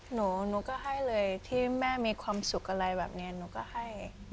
หนูก็ให้เลยที่แม่มีความสุขอะไรแบบนี้หนูก็ให้